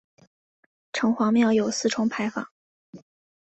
城隍庙有四重牌坊。